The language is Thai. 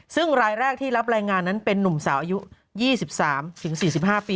ซึ่งรายแรกที่รับรายงานนั้นเป็นนุ่มสาวอายุ๒๓๔๕ปี